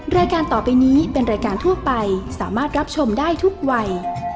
รายการต่อไปนี้เป็นรายการทั่วไปสามารถรับชมได้ทุกวัย